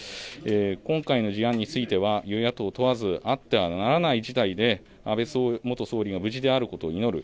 今回の事案については与野党問わず、あってはならない事態で安倍元総理が無事であることを祈る。